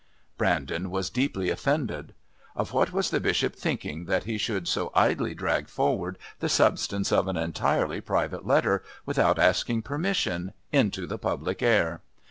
Brandon was deeply offended. Of what was the Bishop thinking that he could so idly drag forward the substance of an entirely private letter, without asking permission, into the public air?